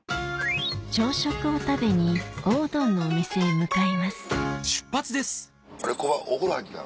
朝食を食べにおうどんのお店へ向かいますあれコバお風呂入ってた？